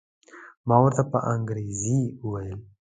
ما ورته په انګریزي وویل.